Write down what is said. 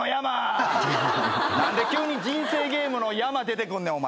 何で急に人生ゲームの山出てくんねんお前